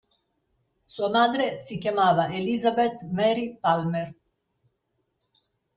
Sua madre si chiamava Elizabeth Mary Palmer.